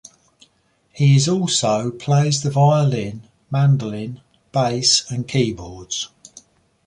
He is also plays the violin, mandolin, bass and keyboards.